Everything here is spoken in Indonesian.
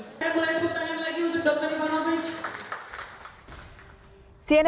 saya mulai bertanya lagi untuk dr imanovic